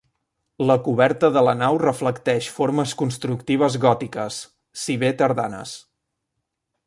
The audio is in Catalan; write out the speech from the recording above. La coberta de la nau reflecteix formes constructives gòtiques, si bé tardanes.